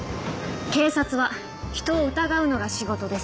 警察は人を疑うのが仕事です。